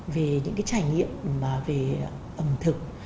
về những trải nghiệm về ẩm thực